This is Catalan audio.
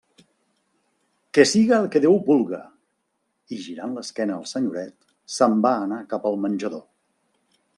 «Que siga el que Déu vulga»; i girant l'esquena al senyoret, se'n va anar cap al menjador.